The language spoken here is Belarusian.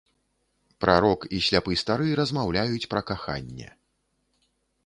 Прарок і сляпы стары размаўляюць пра каханне.